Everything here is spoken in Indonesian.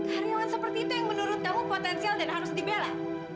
karyawan seperti itu yang menurut kamu potensial dan harus dibela